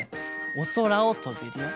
おそらをとべるよ。